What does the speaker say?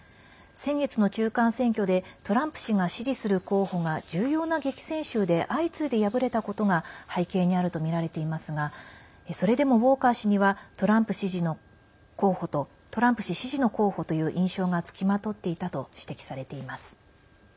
先月の中間選挙でトランプ氏が支持する候補が重要な激戦州で相次いで敗れたことが背景にあるとみられていますがそれでも、ウォーカー氏にはトランプ氏支持の候補という印象が付きまとっていたと指摘されています。